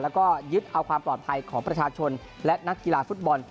แล้วก็ยึดเอาความปลอดภัยของประชาชนและนักกีฬาฟุตบอล